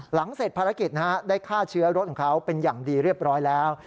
หลังเสร็จภารกิจได้ฆ่าเชื้อรถของเขาเป็นอย่างดีเรียบร้อยแล้ว